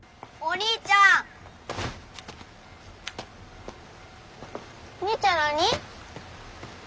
兄ちゃん何？